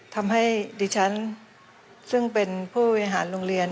ทำให้ดิฉันซึ่งเป็นผู้บริหารโรงเรียน